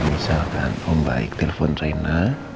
misalkan om baik telfon reina